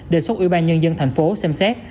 đề xuất ủy ban nhân dân tp xem xét